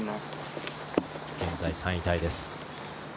現在３位タイです。